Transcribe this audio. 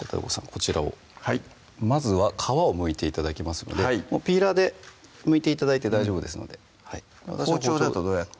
こちらをはいまずは皮をむいて頂きますのではいもうピーラーでむいて頂いて大丈夫ですので包丁だとどうやって？